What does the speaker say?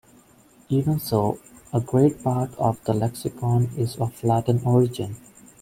Even so, a great part of the lexicon is of Latin origin.